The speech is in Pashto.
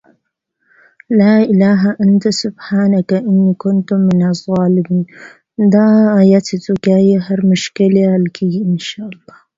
حروفي معماوي د تورو د قاطع کولو او ګومان کولو سره تړلي دي.